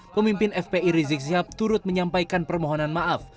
pemimpin fpi rizik sihab turut menyampaikan permohonan maaf